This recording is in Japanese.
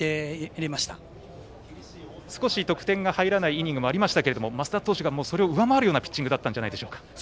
少し得点が入らないイニングもありましたが増田選手がそれを上回るようなピッチングだったんじゃないでしょうか。